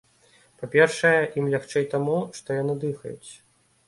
Па-першае, ім лягчэй таму, што яны дыхаюць.